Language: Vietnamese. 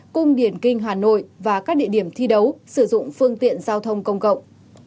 cung điển kinh hà nội và các địa điểm thi đấu sử dụng phương tiện giao thông công cộng